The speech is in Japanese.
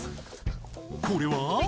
これは？